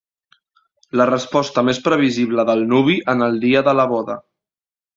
La resposta més previsible del nuvi en el dia de la boda.